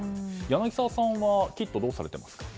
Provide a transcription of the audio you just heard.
柳澤さんはキットをどうされていますか？